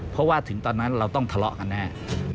เพราะว่าถึงตอนนั้นเราต้องทะเลาะกันแน่